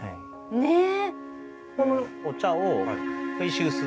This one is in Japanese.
ねえ。